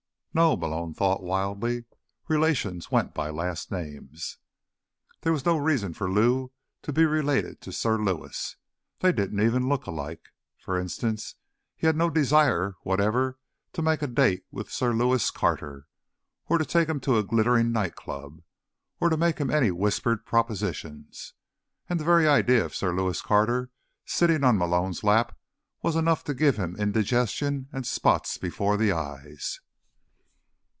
No, Malone thought wildly. Relations went by last names. There was no reason for Lou to be related to Sir Lewis. They didn't even look alike. For instance, he had no desire whatever to make a date with Sir Lewis Carter, or to take him to a glittering night club, or to make him any whispered propositions. And the very idea of Sir Lewis Carter sitting on the Malone lap was enough to give him indigestion and spots before the eyes.